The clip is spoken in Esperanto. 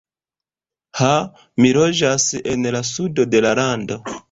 Ha, mi loĝas en la sudo de la lando.